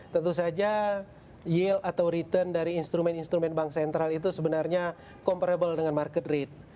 tentu saja yield atau return dari instrumen instrumen bank sentral itu sebenarnya comparable dengan market rate